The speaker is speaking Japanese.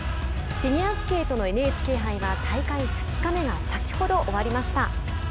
フィギュアスケートのＮＨＫ杯は大会２日目が先ほど終わりました。